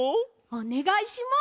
おねがいします。